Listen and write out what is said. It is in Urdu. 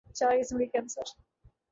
چار قسم کے کینسر